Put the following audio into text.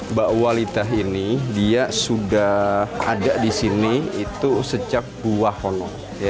mbak walita ini dia sudah ada di sini itu sejak buah hono